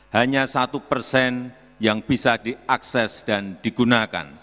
hanya satu persen yang bisa diakses dan digunakan